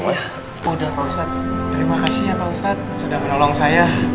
udah pak ustad terima kasih ya pak ustad sudah menolong saya